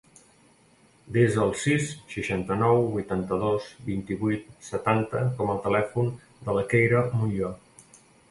Desa el sis, seixanta-nou, vuitanta-dos, vint-i-vuit, setanta com a telèfon de la Keira Monllor.